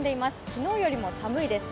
昨日よりも寒いです。